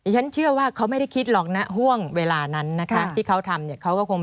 ฉันเชื่อว่าเขาไม่ได้คิดหรอกนะห่วงเวลานั้นที่เขาทำ